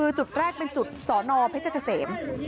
คือจุดแรกเป็นจุดศรนพระเจ้าเกษม